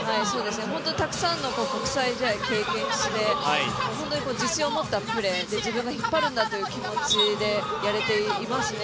本当にたくさんの国際試合を経験して本当に自信を持ったプレーで自分が引っ張るんだという気持ちでやれていますね。